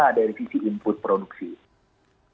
jadi kita tidak bisa menggambarkan kondisi kondisi input produksi